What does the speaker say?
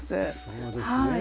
そうですね。